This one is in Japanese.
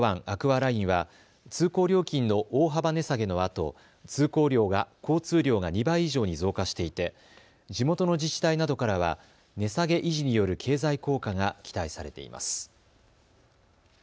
アクアラインは通行料金の大幅値下げのあと交通量が２倍以上に増加していて地元の自治体などからは値下げによる経済効果が期待されています。